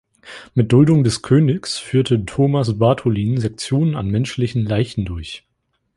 Mit Duldung des Königs führte Thomas Bartholin Sektionen an menschlichen Leichen durch.